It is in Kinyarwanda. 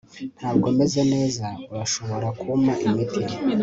ntabwo meze neza. urashobora kumpa imiti